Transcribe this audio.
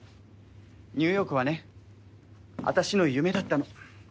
ニューヨークはねあたしの夢だったの。